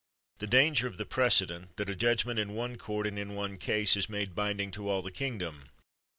The danger of the precedent, that a judgment in one court, and in one case, is made binding to all the king dom.